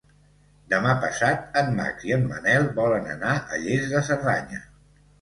Demà passat en Max i en Manel volen anar a Lles de Cerdanya.